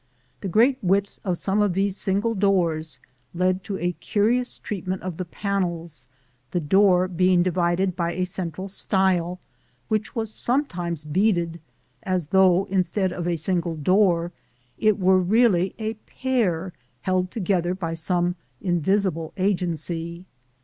The great width of some of these single doors led to a curious treatment of the panels, the door being divided by a central stile, which was sometimes beaded, as though, instead of a single door, it were really a pair held together by some invisible agency.